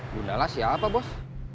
gundala siapa bos